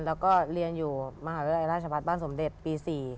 แล้วก็เรียนอยู่มหาวิทยาลัยราชพัฒน์บ้านสมเด็จปี๔